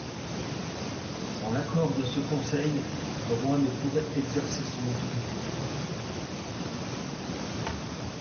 Sans l'accord de ce conseil, le roi ne pourrait exercer son autorité.